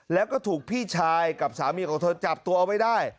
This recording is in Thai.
แล้วก็ถูกพี่ชายกับสามีของเธอจับตัวเอาไว้ได้